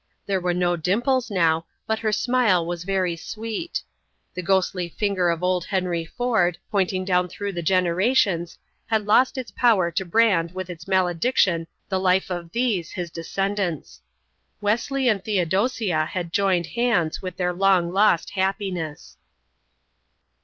There were no dimples now, but her smile was very sweet. The ghostly finger of old Henry Ford, pointing down through the generations, had lost its power to brand with its malediction the life of these, his descendants. Wesley and Theodosia had joined hands with their long lost happiness.